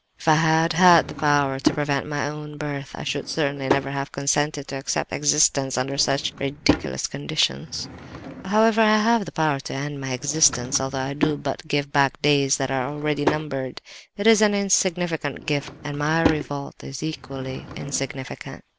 "If I had had the power to prevent my own birth I should certainly never have consented to accept existence under such ridiculous conditions. However, I have the power to end my existence, although I do but give back days that are already numbered. It is an insignificant gift, and my revolt is equally insignificant.